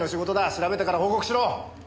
調べてから報告しろ！